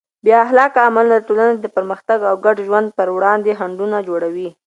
بې اخلاقه عملونه د ټولنې د پرمختګ او ګډ ژوند پر وړاندې خنډونه جوړوي.